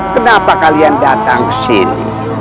kenapa kalian datang kesini